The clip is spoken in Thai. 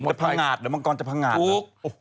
จะพังงาดหรือมังกรจะพังงาดหรืออ๋อโหถูก